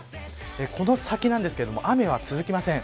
この先ですが雨は続きません。